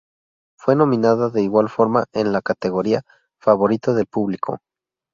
Fue nominada de igual forma en la categoría "Favorito del público".